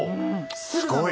すごい。